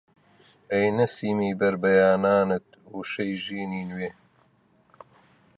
ئەی نەسیمی بەربەیانانت وشەی ژینی نوێ!